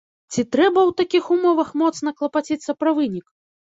Ці трэба ў такіх умовах моцна клапаціцца пра вынік?